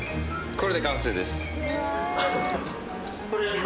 これで完成です。